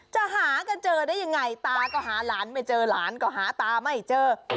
จะหากันเจอได้ยังไงตาก็หาหลานไม่เจอหลานก็หาตาไม่เจอ